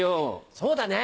そうだね！